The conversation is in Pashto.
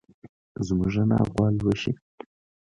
زموږ انا غوا لوسي.